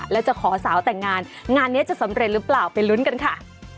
แล้วจะขอสาวแต่งงานงานนี้จะสำเร็จหรือเปล่าไปลุ้นกันค่ะ